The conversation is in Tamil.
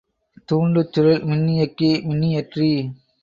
தூண்டுசுருள், மின்னியக்கி, மின்னியற்றி.